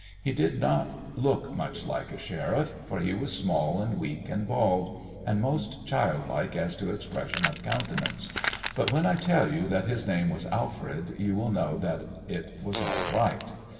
He did not look much like a sheriff, for he was small and weak and bald, and most childlike as to expression of countenance. But when I tell you that his name was Alfred, you will know that it was all right.